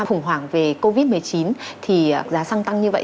khủng hoảng về covid một mươi chín thì giá xăng tăng như vậy